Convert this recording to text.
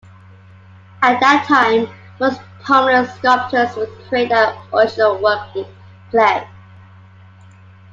At that time most prominent sculptors would create their original work in clay.